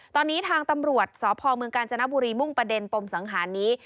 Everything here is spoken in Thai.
ตอนนี้ทางตำรวจสพเมืองกาญจนบุรีมุ่งประเด็นปมสังหารนี้